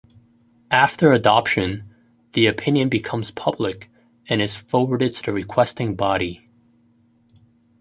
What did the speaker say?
After adoption, the opinion becomes public and is forwarded to the requesting body.